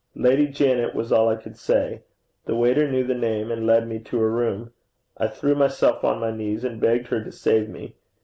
'Lady Janet,' was all I could say. The waiter knew the name, and led me to her room. I threw myself on my knees, and begged her to save me.